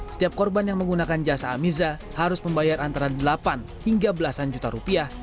setiap korban yang menggunakan jasa amiza harus membayar antara delapan hingga belasan juta rupiah